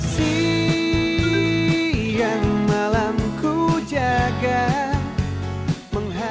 siang malam ku jaga